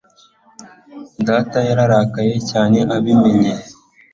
Data yararakaye cyane abimenye.